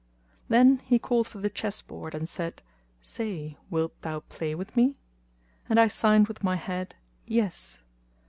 Then he called for the chess board, and said, "Say, wilt thou play with me?"; and I signed with my head, "Yes."